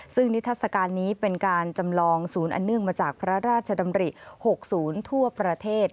ซึ่งนิทัศกาลนี้เป็นการจำลองศูนย์อันเนื่องมาจากพระราชดำริ๖๐ทั่วประเทศ